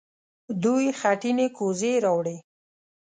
دوې خټينې کوزې يې راوړې.